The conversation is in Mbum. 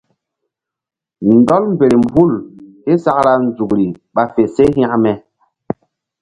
Ndɔl mberem hul ké sakra nzukri ɓa fe se hekme.